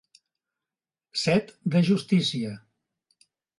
Set de justícia.